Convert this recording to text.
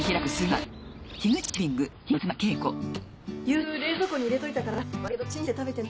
夕食冷蔵庫に入れといたから悪いけどチンして食べてね。